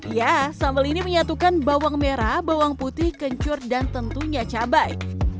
ya sambal ini menyatukan bawang merah bawang putih kencur dan tentunya cabai